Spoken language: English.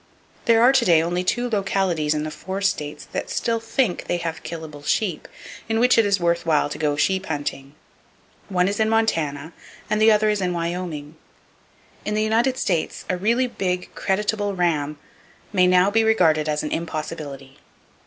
There are to day only two localities in the four states that still think they have killable sheep, in which it is worth while to go sheep hunting. One is in Montana, and the other is in Wyoming. In the United States a really big, creditable ram may now be regarded as an impossibility.